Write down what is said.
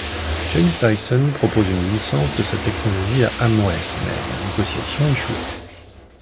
James Dyson propose une licence de sa technologie à Amway, mais la négociation échoue.